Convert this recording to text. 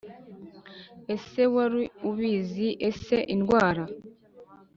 Ese wari ubizi Ese indwara